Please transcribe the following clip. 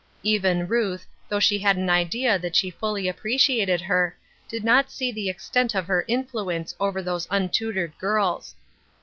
Even Ruth, thougli she had an idea that she fully appreciated her, did not see the extent of her influence over those untutored girls.